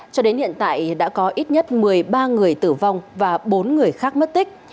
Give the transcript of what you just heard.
cho đến hiện tại đã có ít nhất một mươi ba người tử vong và bốn người khác mất tích